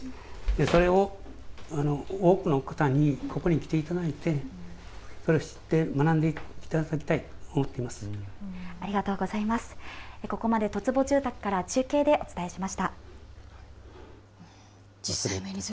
それを多くの方にここに来ていただいて、知って、そして学んでいただきたいと思っています。